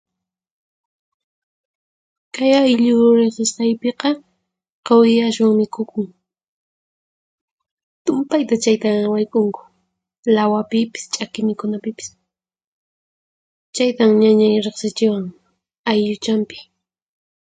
Kay ayllu riqsisqaypiqa quwi ashwan mikhukun. Tumpayta chayta wayk'unku lawapipis ch'aki mikhunapipis. Chaytan ñañay riqsichiwan aylluchanpi.